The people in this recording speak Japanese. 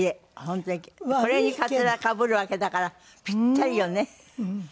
これにカツラかぶるわけだからぴったりよね。